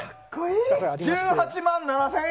１８万７０００円！